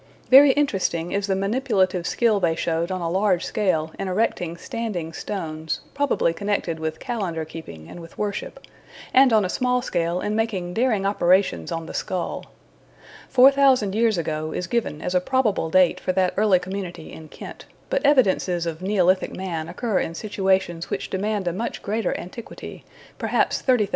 Very interesting is the manipulative skill they showed on a large scale in erecting standing stones (probably connected with calendar keeping and with worship), and on a small scale in making daring operations on the skull. Four thousand years ago is given as a probable date for that early community in Kent, but evidences of Neolithic man occur in situations which demand a much greater antiquity perhaps 30,000 years. And man was not young then!